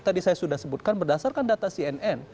tadi saya sudah sebutkan berdasarkan data cnn